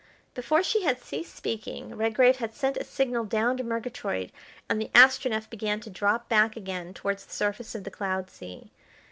Before she had ceased speaking, Redgrave had sent a signal down to Murgatroyd, and the Astronef began to drop back again towards the surface of the cloud sea.